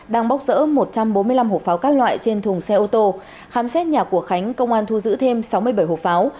đang bốc rỡ một trăm bốn mươi năm hộp pháo các loại trên thùng xe ô tô khám xét nhà của khánh công an thu giữ thêm sáu mươi bảy hộp pháo